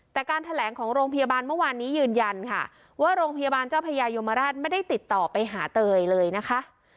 แต่การแถลงของโรงพยาบาลเมื่อวานนี้ยืนยันค่ะว่าโรงพยาบาลเจ้าพญายมราชไม่ได้ติดต่อไปหาเตยเลยนะคะ